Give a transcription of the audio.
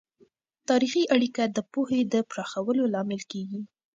تاریخي اړیکه د پوهې د پراخولو لامل کیږي.